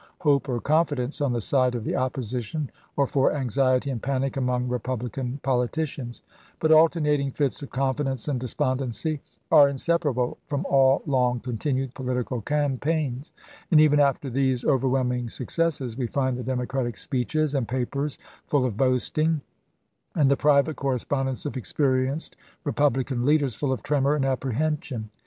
hope or confidence on the side of the opposition or for anxiety and panic among Republican politi cians; but alternating fits of confidence and de spondency are inseparable from all long continued political campaigns, and even after these over whelming successes we find the Democratic speeches and papers full of boasting, and the private cor respondence of experienced Eepublican leaders full of tremor and apprehension.